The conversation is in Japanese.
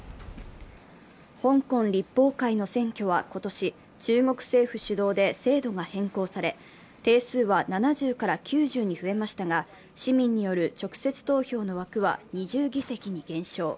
香港立法会の選挙は今年、中国政府主導で制度が変更され定数は７０から９０に増えましたが、市民による直接投票の枠は２０議席に減少。